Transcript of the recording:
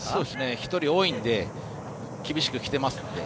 １人多いので厳しく来てますので。